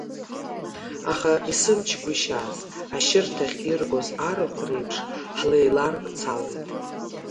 Аха исымчгәышьааз, ашьырҭахь иргоз арахә реиԥш ҳлеиларцалеит.